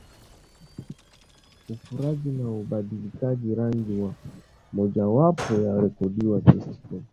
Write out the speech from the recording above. Ufuraji na ubadilikaji rangi wa mojawapo ya korodani testicles au korodani zote mbili